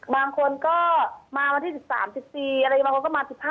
บางคนก็มาวันที่๑๓๑๔บางคนก็มาวันที่๑๕